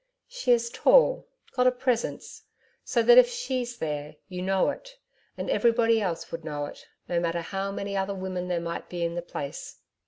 She is tall got a presence, so that if SHE'S there, you'd know it and everybody else would know it, no matter how many other women there might be in the place.